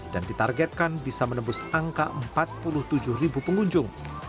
dan ditargetkan bisa menembus angka empat puluh tujuh pengunjung